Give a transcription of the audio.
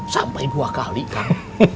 sampai dua kali kak